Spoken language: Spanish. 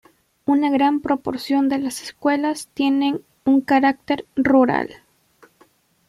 Una gran proporción de las escuelas tienen un carácter rural.